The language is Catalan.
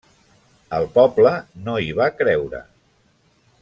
El poble no hi va creure.